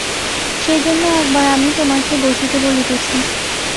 সেইজন্য একবার আমি তোমাকে বসিতে বলিতেছি।